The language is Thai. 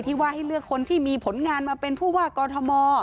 ว่าให้เลือกคนที่มีผลงานมาเป็นผู้ว่ากอทม